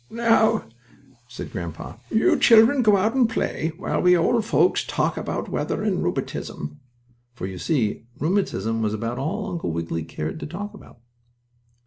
"Now," said grandpa, "you children go out to play, while we old folks talk about the weather and rheumatism," for you see rheumatism was about all Uncle Wiggily cared to talk about.